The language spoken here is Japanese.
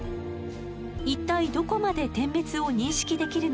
一体どこまで点滅を認識できるのか。